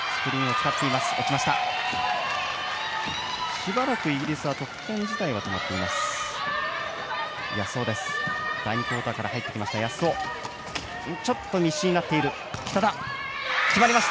しばらくイギリスは得点自体が止まっています。